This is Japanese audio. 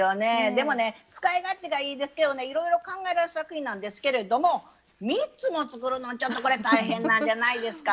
でもね使い勝手がいいですけどねいろいろ考えられた作品なんですけれども３つも作るのちょっとこれ大変なんじゃないですか？